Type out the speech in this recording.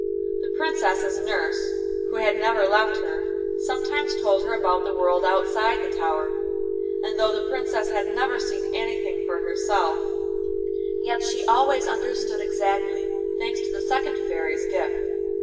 The Princess's nurse, who had never left her, sometimes told her about the world outside the tower, and though the Princess had never seen anything for herself, yet she always understood exactly, thanks to the second Fairy's gift.